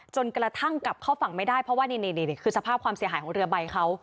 จนกระทั่งกลับเข้าฝั่งไม่ได้เพราะว่านี่คือสภาพความเสียหายของเรือใบเขา